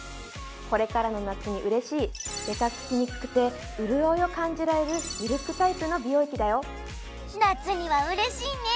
これからの夏に嬉しいベタつきにくくて潤いを感じられるミルクタイプの美容液だよ夏には嬉しいね